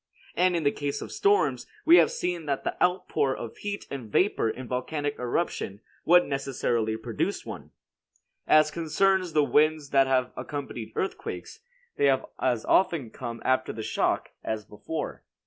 And in the case of storms, we have seen that the outpour of heat and vapor in a volcanic eruption would necessarily produce one. As concerns the winds that have accompanied earthquakes, they have as often come after the shock as before.